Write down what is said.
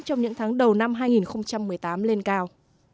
trong những tháng đầu năm hai nghìn một mươi tám lên cao